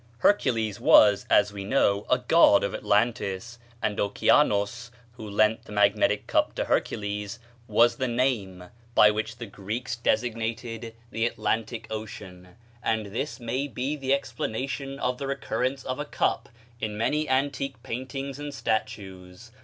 Hercules was, as we know, a god of Atlantis, and Oceanos, who lent the magnetic cup to Hercules, was the name by which the Greeks designated the Atlantic Ocean. And this may be the explanation of the recurrence of a cup in many antique paintings and statues.